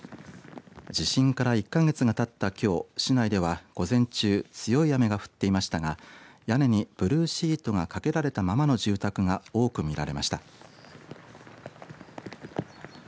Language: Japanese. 地震から１か月がたったきょう市内では午前中強い雨が降っていましたが屋根にブルーシートがかけられたままの住宅が多く見られました。